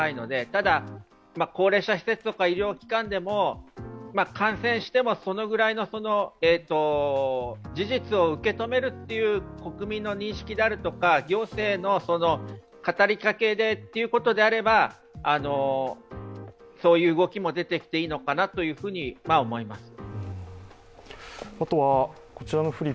ただ高齢者施設とか医療機関でも感染してもそのぐらいの事実を受け止める国民の認識であるとか行政の語りかけということであれば、そういう動きも出てきていいのかなと思います。